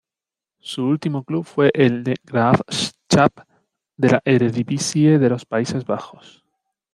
Su último club fue el De Graafschap de la Eredivisie de los Países Bajos.